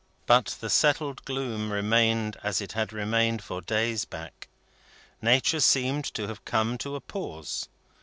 But the settled gloom remained as it had remained for days back. Nature seemed to have come to a pause.